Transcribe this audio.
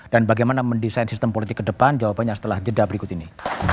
dan bagaimana mendesain sistem politik ke depan jawabannya setelah jeda berikut ini